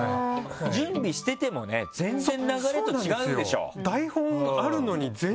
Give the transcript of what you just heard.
準備しててもね全然流れと違うでしょ？